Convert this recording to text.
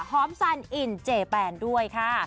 หอมสันอินเจแปนด้วยค่ะ